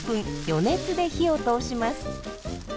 予熱で火を通します。